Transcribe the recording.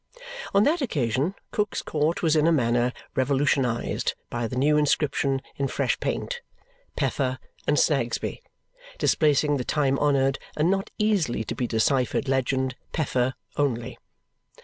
On that occasion, Cook's Court was in a manner revolutionized by the new inscription in fresh paint, PEFFER AND SNAGSBY, displacing the time honoured and not easily to be deciphered legend PEFFER only.